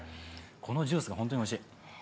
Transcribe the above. このジュース本当においしい。